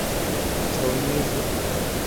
拉库尔圣皮埃尔人口变化图示